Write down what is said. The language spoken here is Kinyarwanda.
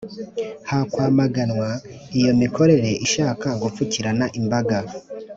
hakwamaganwa iyo mikorere ishaka gupfukirana imbaga